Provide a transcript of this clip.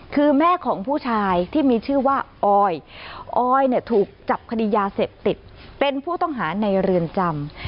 คือแม่ของผู้ชายที่มีชื่อว่าออยออยเนี่ยถูกจับคดียาเสพติดเป็นผู้ต้องหาในเรือนจำ